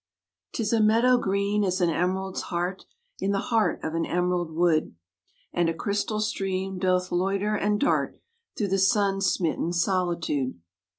'Tis a meadow green as an emerald's heart In the heart of an emerald wood, And a crystal stream doth loiter and dart Through the sun smitten solitude.